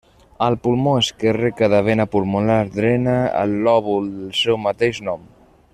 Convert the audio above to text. Al pulmó esquerre cada vena pulmonar drena al lòbul del seu mateix nom.